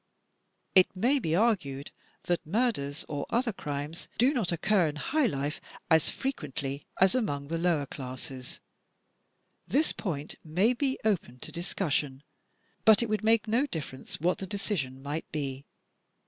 It may be argued that murders or other crimes do not occur in high life as frequently as among the lower classes. This point may be open to discussion; but it would make no difference what the decision might be.